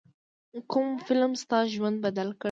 کوم فلم ستا ژوند بدل کړ.